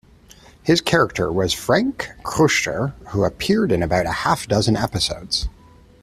His character was Frank Crutcher, who appeared in about a half dozen episodes.